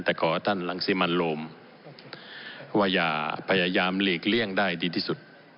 แต่ขอท่านรังสิมันโรมว่าอย่าพยายามหลีกเลี่ยงได้ดีที่สุด